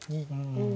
うん。